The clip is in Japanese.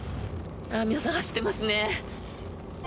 皆さん、走ってますね。